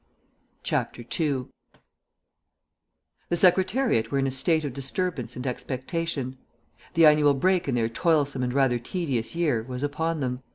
2 The Secretariat were in a state of disturbance and expectation. The annual break in their toilsome and rather tedious year was upon them.